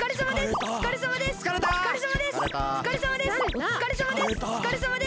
おつかれさまです！